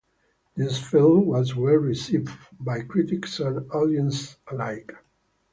The film was well received by critics and audiences alike.